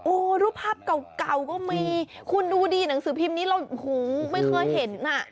รูปภาพเก่าก็มีคุณดูดีหนังสือพิมพ์นี้เราไม่เคยเห็นอ่ะ